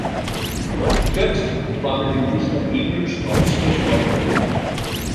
Gött war mit dem Dichter Emil Strauß befreundet.